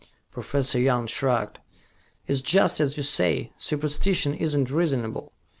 Professor Young shrugged. "It is just as you say. Superstition is not reasonable.